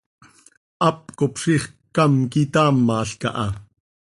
Hap cop ziix ccam quitaamalca ha.